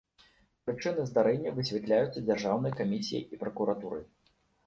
Прычыны здарэння высвятляюцца дзяржаўнай камісіяй і пракуратурай.